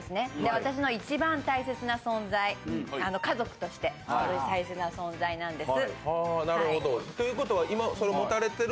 私の一番大切な存在、家族として大切な存在なんです。